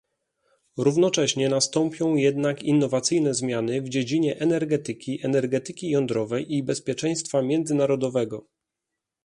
Równocześnie nastąpią jednak innowacyjne zmiany w dziedzinie energetyki, energetyki jądrowej i bezpieczeństwa międzynarodowego